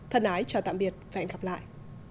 thân ái chào tạm biệt và hẹn gặp lại